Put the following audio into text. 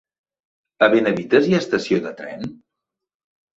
A Benavites hi ha estació de tren?